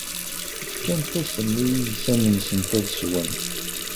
Fkant-asen i yiysan-nsent ad swen.